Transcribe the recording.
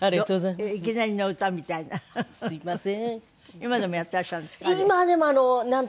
今でもやってらっしゃるんですかあれ。